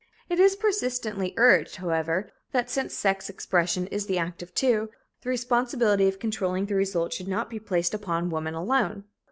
It is persistently urged, however, that since sex expression is the act of two, the responsibility of controlling the results should not be placed upon woman alone.